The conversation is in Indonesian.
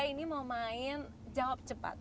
ini mau main jawab cepat